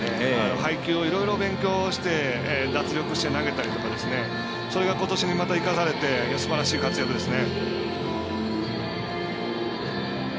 配球もいろいろ勉強して脱力して投げたりとかそれがことしに生かされてすばらしい活躍ですね。